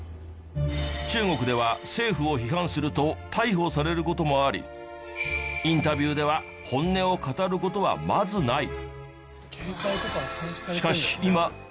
中国では政府を批判すると逮捕される事もありインタビューでは本音を語る事はまずない。